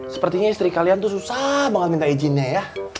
sepertinya istri kalian tuh susah banget minta izinnya ya